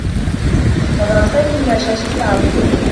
نظر سامي إلى شاسة العرض.